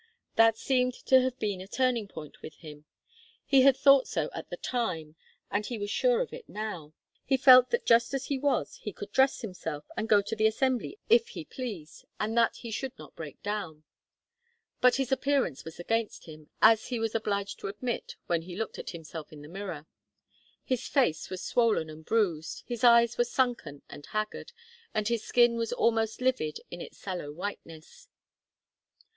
That seemed to have been a turning point with him. He had thought so at the time, and he was sure of it now. He felt that just as he was he could dress himself, and go to the Assembly if he pleased, and that he should not break down. But his appearance was against him, as he was obliged to admit when he looked at himself in the mirror. His face was swollen and bruised, his eyes were sunken and haggard, and his skin was almost livid in its sallow whiteness.